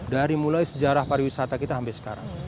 dari mulai sejarah pariwisata kita sampai sekarang